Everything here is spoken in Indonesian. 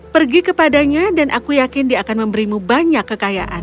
pergi kepadanya dan aku yakin dia akan memberimu banyak kekayaan